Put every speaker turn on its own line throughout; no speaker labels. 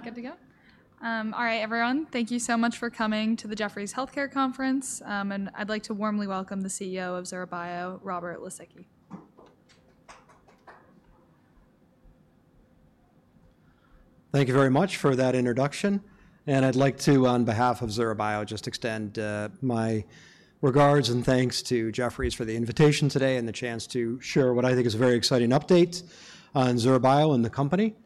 All right, good to go. All right, everyone, thank you so much for coming to the Jefferies Healthcare Conference, and I'd like to warmly welcome the CEO of Zura Bio, Robert Lisicki.
Thank you very much for that introduction, and I'd like to, on behalf of Zura Bio, just extend my regards and thanks to Jefferies for the invitation today and the chance to share what I think is a very exciting update on Zura Bio and the company.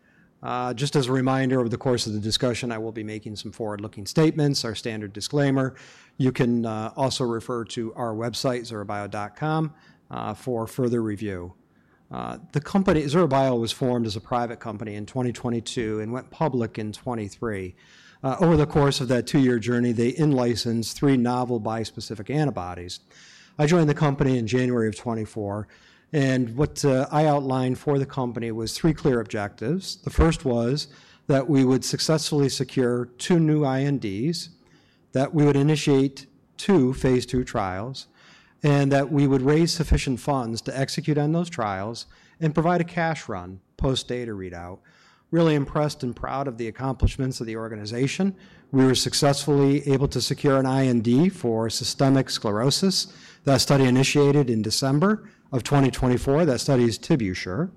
Just as a reminder, over the course of the discussion, I will be making some forward-looking statements, our standard disclaimer. You can also refer to our website, zurabio.com, for further review. The company, Zura Bio, was formed as a private company in 2022 and went public in 2023. Over the course of that two-year journey, they in-licensed three novel biospecific antibodies. I joined the company in January of 2024, and what I outlined for the company was three clear objectives. The first was that we would successfully secure two new INDs, that we would initiate two phase two trials, and that we would raise sufficient funds to execute on those trials and provide a cash run post data readout. Really impressed and proud of the accomplishments of the organization, we were successfully able to secure an IND for systemic sclerosis. That study initiated in December of 2024. That study is TibuSURE,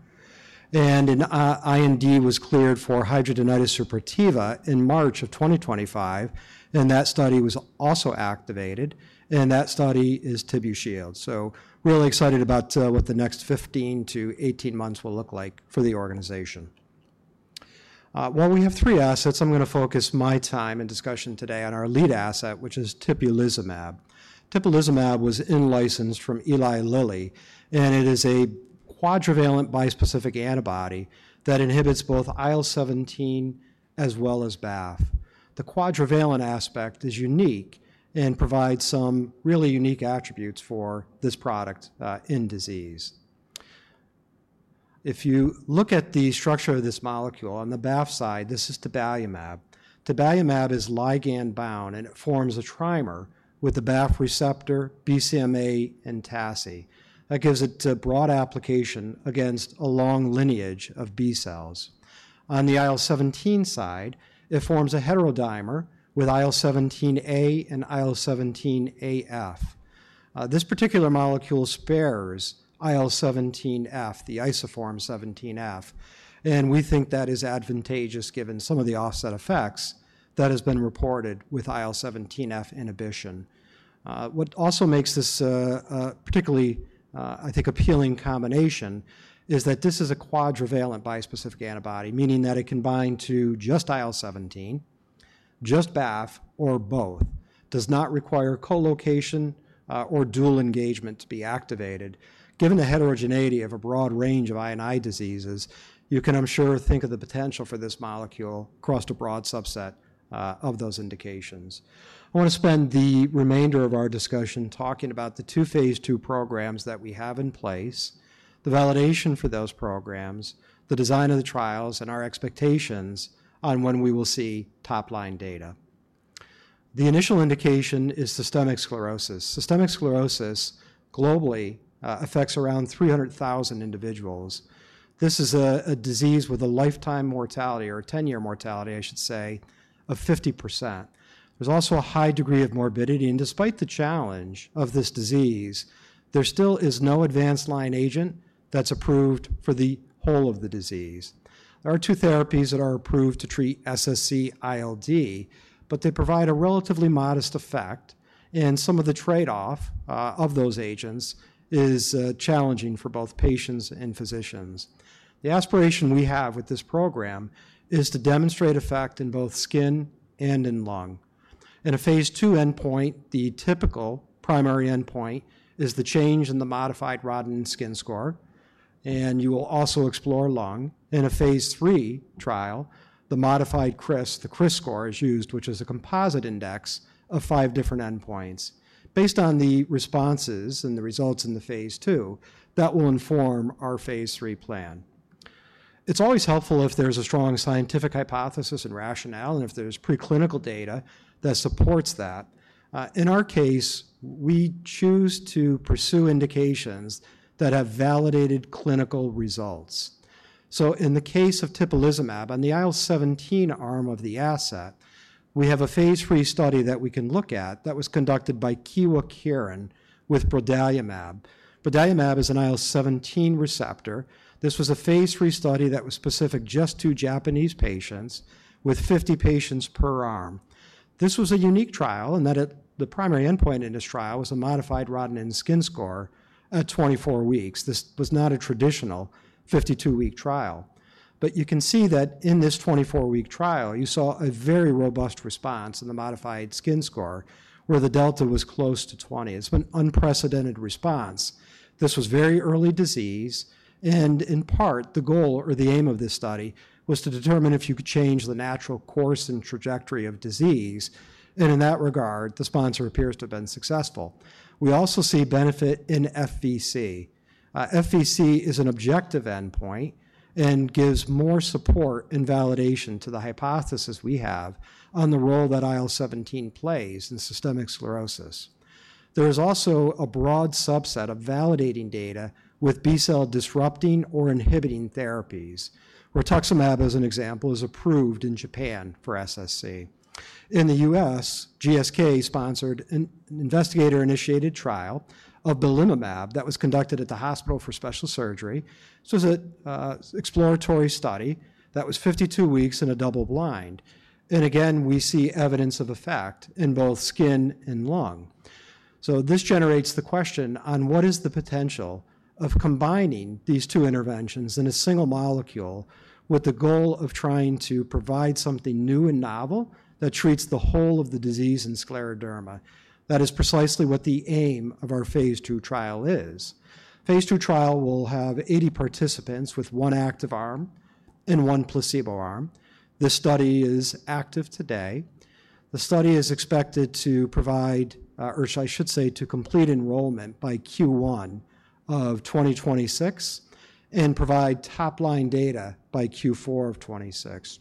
and an IND was cleared for hidradenitis suppurativa in March of 2025, and that study was also activated, and that study is TibuSHIELD. Really excited about what the next 15-18 months will look like for the organization. While we have three assets, I'm going to focus my time and discussion today on our lead asset, which is tibulizumab. Tibulizumab was in-licensed from Eli Lilly, and it is a quadrivalent bispecific antibody that inhibits both IL-17 as well as BAFF. The quadrivalent aspect is unique and provides some really unique attributes for this product in disease. If you look at the structure of this molecule on the BAFF side, this is tibulizumab. Tibulizumab is ligand-bound, and it forms a trimer with the BAFF receptor, BCMA, and TACI. That gives it a broad application against a long lineage of B cells. On the IL-17 side, it forms a heterodimer with IL-17A and IL-17AF. This particular molecule spares IL-17F, the isoform 17F, and we think that is advantageous given some of the offset effects that have been reported with IL-17F inhibition. What also makes this particularly, I think, appealing combination is that this is a quadrivalent bispecific antibody, meaning that it can bind to just IL-17, just BAFF, or both. It does not require co-location or dual engagement to be activated. Given the heterogeneity of a broad range of INI diseases, you can, I'm sure, think of the potential for this molecule across a broad subset of those indications. I want to spend the remainder of our discussion talking about the two phase 2 programs that we have in place, the validation for those programs, the design of the trials, and our expectations on when we will see top-line data. The initial indication is systemic sclerosis. Systemic sclerosis globally affects around 300,000 individuals. This is a disease with a lifetime mortality, or a 10-year mortality, I should say, of 50%. There's also a high degree of morbidity, and despite the challenge of this disease, there still is no advanced line agent that's approved for the whole of the disease. There are two therapies that are approved to treat SSc ILD, but they provide a relatively modest effect, and some of the trade-off of those agents is challenging for both patients and physicians. The aspiration we have with this program is to demonstrate effect in both skin and in lung. In a phase 2 endpoint, the typical primary endpoint is the change in the modified Rodnan Skin Score, and you will also explore lung. In a phase 3 trial, the modified CRISS, the CRISS score is used, which is a composite index of five different endpoints. Based on the responses and the results in the phase 2, that will inform our phase 3 plan. It's always helpful if there's a strong scientific hypothesis and rationale, and if there's preclinical data that supports that. In our case, we choose to pursue indications that have validated clinical results. So in the case of tibulizumab, on the IL-17 arm of the asset, we have a phase three study that we can look at that was conducted by Kyowa Kirin with brodalumab. Brodalumab is an IL-17 receptor. This was a phase three study that was specific just to Japanese patients with 50 patients per arm. This was a unique trial in that the primary endpoint in this trial was a modified Rodnan Skin Score at 24 weeks. This was not a traditional 52-week trial, but you can see that in this 24-week trial, you saw a very robust response in the modified skin score where the delta was close to 20. It's been an unprecedented response. This was very early disease, and in part, the goal or the aim of this study was to determine if you could change the natural course and trajectory of disease, and in that regard, the sponsor appears to have been successful. We also see benefit in FVC. FVC is an objective endpoint and gives more support and validation to the hypothesis we have on the role that IL-17 plays in systemic sclerosis. There is also a broad subset of validating data with B cell disrupting or inhibiting therapies, where rituximab, as an example, is approved in Japan for SSc. In the U.S., GSK sponsored an investigator-initiated trial of belimumab that was conducted at the Hospital for Special Surgery. This was an exploratory study that was 52 weeks in a double-blind, and again, we see evidence of effect in both skin and lung. This generates the question on what is the potential of combining these two interventions in a single molecule with the goal of trying to provide something new and novel that treats the whole of the disease and scleroderma. That is precisely what the aim of our phase two trial is. Phase two trial will have 80 participants with one active arm and one placebo arm. This study is active today. The study is expected to provide, or I should say to complete enrollment by Q1 of 2026 and provide top-line data by Q4 of 2026.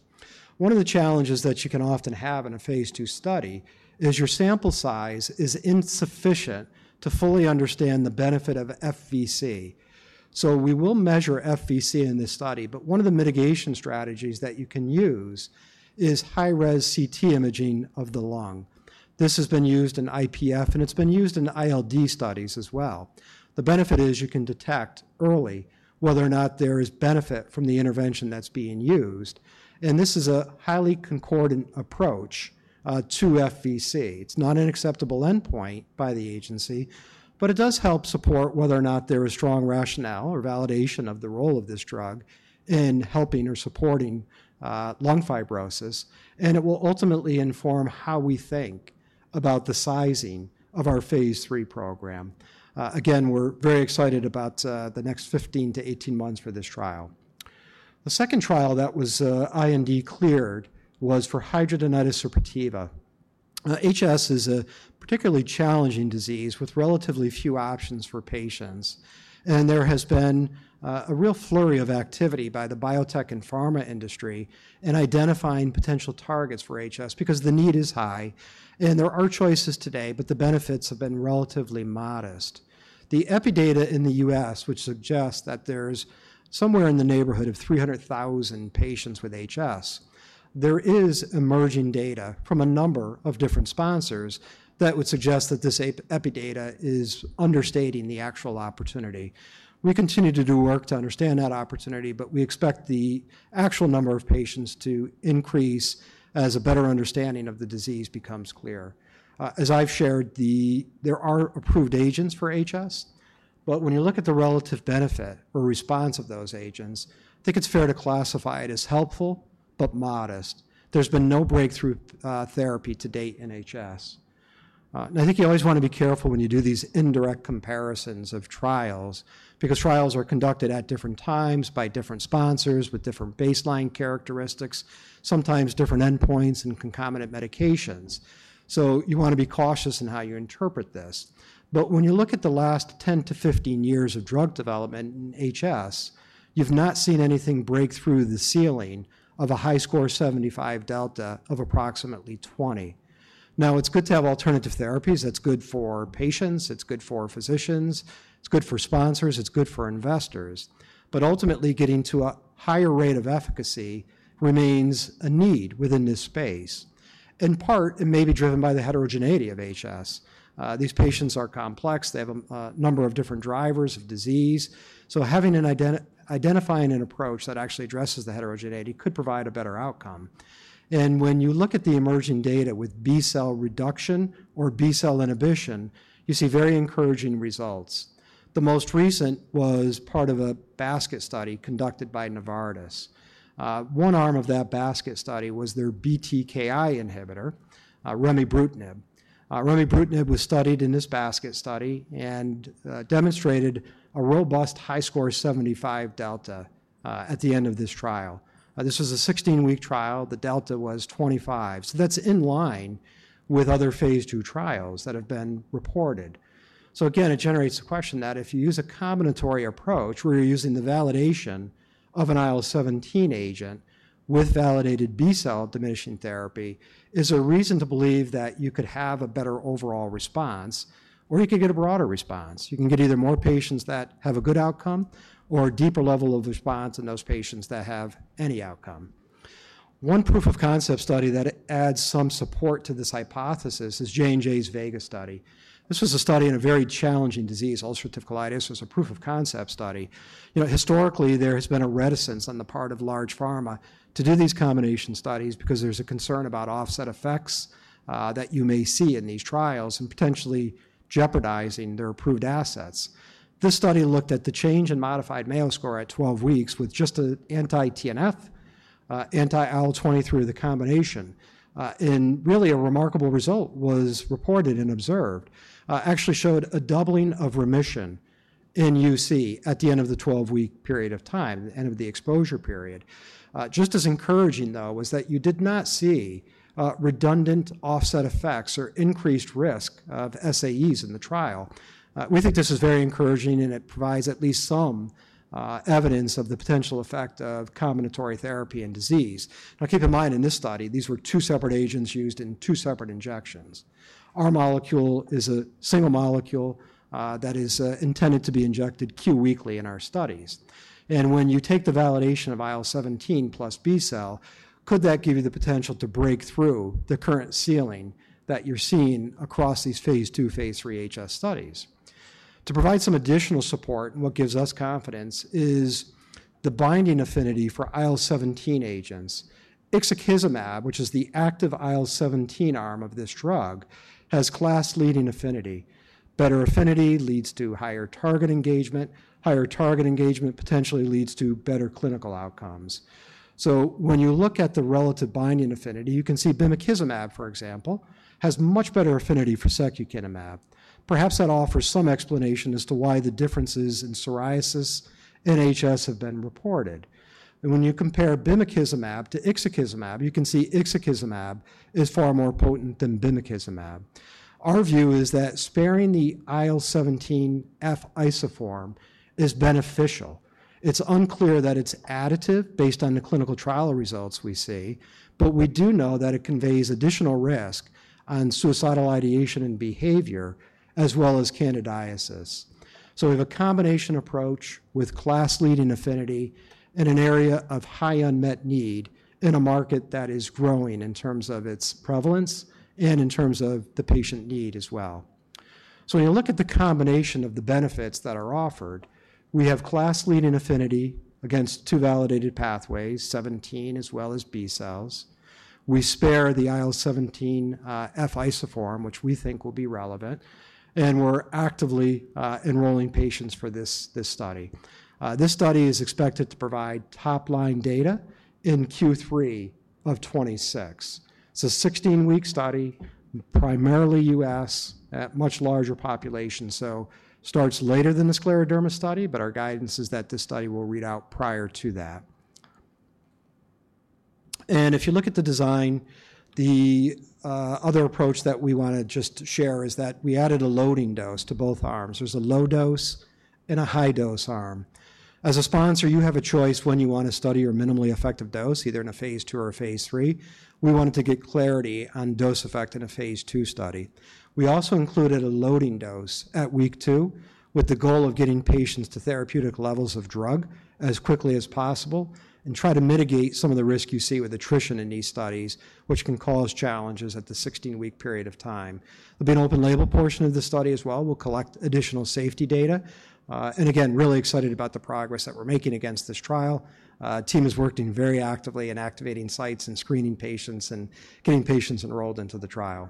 One of the challenges that you can often have in a phase 2 study is your sample size is insufficient to fully understand the benefit of FVC. We will measure FVC in this study, but one of the mitigation strategies that you can use is high-res CT imaging of the lung. This has been used in IPF, and it's been used in ILD studies as well. The benefit is you can detect early whether or not there is benefit from the intervention that's being used, and this is a highly concordant approach to FVC. It's not an acceptable endpoint by the agency, but it does help support whether or not there is strong rationale or validation of the role of this drug in helping or supporting lung fibrosis, and it will ultimately inform how we think about the sizing of our phase 3 program. Again, we're very excited about the next 15-18 months for this trial. The second trial that was IND cleared was for hidradenitis suppurativa. HS is a particularly challenging disease with relatively few options for patients, and there has been a real flurry of activity by the biotech and pharma industry in identifying potential targets for HS because the need is high, and there are choices today, but the benefits have been relatively modest. The epidata in the U.S., which suggests that there's somewhere in the neighborhood of 300,000 patients with HS, there is emerging data from a number of different sponsors that would suggest that this epidata is understating the actual opportunity. We continue to do work to understand that opportunity, but we expect the actual number of patients to increase as a better understanding of the disease becomes clear. As I've shared, there are approved agents for HS, but when you look at the relative benefit or response of those agents, I think it's fair to classify it as helpful but modest. There's been no breakthrough therapy to date in HS. I think you always want to be careful when you do these indirect comparisons of trials because trials are conducted at different times by different sponsors with different baseline characteristics, sometimes different endpoints and concomitant medications. You want to be cautious in how you interpret this. When you look at the last 10 to 15 years of drug development in HS, you've not seen anything break through the ceiling of a HiSCR75 delta of approximately 20%. It's good to have alternative therapies. It's good for patients. It's good for physicians. It's good for sponsors. It's good for investors, but ultimately getting to a higher rate of efficacy remains a need within this space. In part, it may be driven by the heterogeneity of HS. These patients are complex. They have a number of different drivers of disease. Having and identifying an approach that actually addresses the heterogeneity could provide a better outcome. When you look at the emerging data with B cell reduction or B cell inhibition, you see very encouraging results. The most recent was part of a basket study conducted by Novartis. One arm of that basket study was their BTK inhibitor, Remibrutinib. Remibrutinib was studied in this basket study and demonstrated a robust HiSCR75 delta at the end of this trial. This was a 16-week trial. The delta was 25. That is in line with other phase two trials that have been reported. Again, it generates the question that if you use a combinatory approach where you're using the validation of an IL-17 agent with validated B cell diminishing therapy, is there a reason to believe that you could have a better overall response or you could get a broader response? You can get either more patients that have a good outcome or a deeper level of response in those patients that have any outcome. One proof of concept study that adds some support to this hypothesis is J&J's Vega study. This was a study in a very challenging disease, ulcerative colitis. It was a proof of concept study. Historically, there has been a reticence on the part of large pharma to do these combination studies because there's a concern about offset effects that you may see in these trials and potentially jeopardizing their approved assets. This study looked at the change in modified male score at 12 weeks with just an anti-TNF, anti-IL-23, the combination, and really a remarkable result was reported and observed. It actually showed a doubling of remission in UC at the end of the 12-week period of time, the end of the exposure period. Just as encouraging, though, was that you did not see redundant offset effects or increased risk of SAEs in the trial. We think this is very encouraging, and it provides at least some evidence of the potential effect of combinatory therapy in disease. Now, keep in mind in this study, these were two separate agents used in two separate injections. Our molecule is a single molecule that is intended to be injected q-weekly in our studies. When you take the validation of IL-17 plus B cell, could that give you the potential to break through the current ceiling that you're seeing across these phase 2, phase 3 HS studies? To provide some additional support, what gives us confidence is the binding affinity for IL-17 agents. Ixekizumab, which is the active IL-17 arm of this drug, has class-leading affinity. Better affinity leads to higher target engagement. Higher target engagement potentially leads to better clinical outcomes. When you look at the relative binding affinity, you can see bimekizumab, for example, has much better affinity than secukinumab. Perhaps that offers some explanation as to why the differences in psoriasis in HS have been reported. When you compare bimekizumab to ixekizumab, you can see ixekizumab is far more potent than bimekizumab. Our view is that sparing the IL-17F isoform is beneficial. It's unclear that it's additive based on the clinical trial results we see, but we do know that it conveys additional risk on suicidal ideation and behavior as well as candidiasis. We have a combination approach with class-leading affinity in an area of high unmet need in a market that is growing in terms of its prevalence and in terms of the patient need as well. When you look at the combination of the benefits that are offered, we have class-leading affinity against two validated pathways, 17 as well as B cells. We spare the IL-17F isoform, which we think will be relevant, and we're actively enrolling patients for this study. This study is expected to provide top-line data in Q3 of 2026. It's a 16-week study, primarily U.S., at much larger population, so it starts later than the scleroderma study, but our guidance is that this study will read out prior to that. If you look at the design, the other approach that we want to just share is that we added a loading dose to both arms. There's a low dose and a high dose arm. As a sponsor, you have a choice when you want to study your minimally effective dose, either in a phase two or a phase three. We wanted to get clarity on dose effect in a phase two study. We also included a loading dose at week two with the goal of getting patients to therapeutic levels of drug as quickly as possible and try to mitigate some of the risk you see with attrition in these studies, which can cause challenges at the 16-week period of time. There will be an open label portion of the study as well. We will collect additional safety data. Again, really excited about the progress that we are making against this trial. The team has worked very actively in activating sites and screening patients and getting patients enrolled into the trial.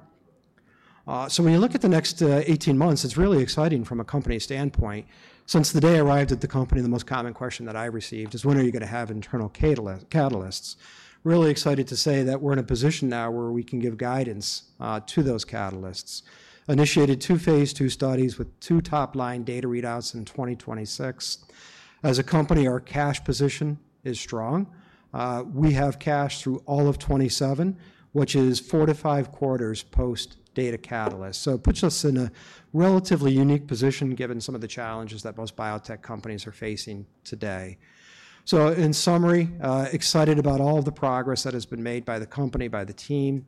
When you look at the next 18 months, it is really exciting from a company standpoint. Since the day I arrived at the company, the most common question that I received is, "When are you going to have internal catalysts?" Really excited to say that we're in a position now where we can give guidance to those catalysts. Initiated two phase 2 studies with two top-line data readouts in 2026. As a company, our cash position is strong. We have cash through all of 2027, which is four to five quarters post data catalyst. It puts us in a relatively unique position given some of the challenges that most biotech companies are facing today. In summary, excited about all of the progress that has been made by the company, by the team.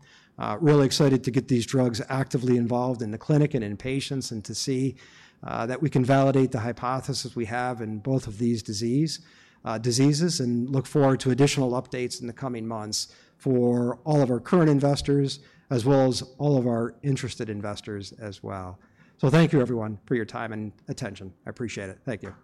Really excited to get these drugs actively involved in the clinic and in patients and to see that we can validate the hypothesis we have in both of these diseases and look forward to additional updates in the coming months for all of our current investors as well as all of our interested investors as well. Thank you, everyone, for your time and attention. I appreciate it. Thank you.